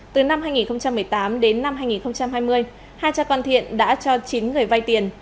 từ năm hai nghìn một mươi tám đến năm hai nghìn hai mươi hai cha con thiện đã cho chín người vay tiền